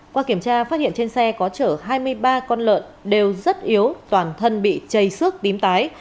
qua kiểm tra phát hiện trên xe có chở hai mươi ba con lợn đều rất yếu toàn thân bị chảy xước tím tái